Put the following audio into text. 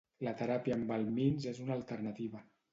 La teràpia amb helmints és una alternativa.